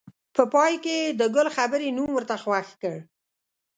په پای کې یې د ګل خبرې نوم ورته خوښ کړ.